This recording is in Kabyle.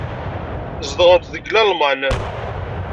Zedɣent deg Lalman.